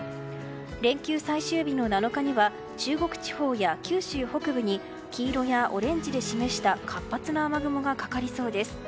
連休最終日の７日には中国地方や九州北部に黄色やオレンジで示した活発な雨雲がかかりそうです。